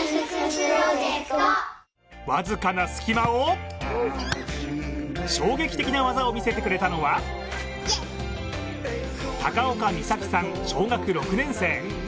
僅かな隙間を衝撃的な技を見せてくれたのは高岡美咲さん、小学６年生。